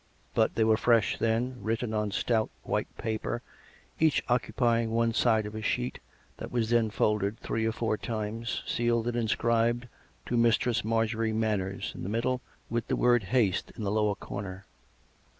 But they were fresh then, written on stout white paper, each occupying one side of a sheet that was then folded three or four times, sealed, and inscribed to " Mis tress Marjorie Manners " in the middle, with the word " Haste " in the lower corner.